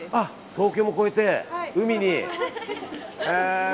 東京も越えて海に。